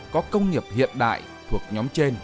có công nghiệp hiện đại thuộc nhóm trên